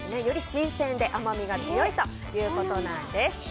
より新鮮で甘みが強いということです。